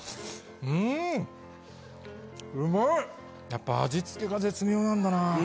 やっぱ味付けが絶妙なんだな。